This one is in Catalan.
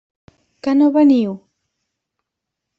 Que no veniu?